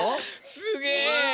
すげえ！